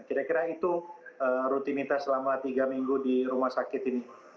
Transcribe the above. kira kira itu rutinitas selama tiga minggu di rumah sakit ini